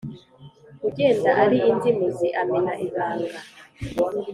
ugenda ari inzimuzi amena ibanga,